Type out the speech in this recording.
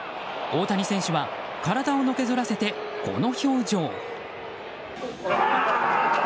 大谷選手は体をのけぞらせてこの表情。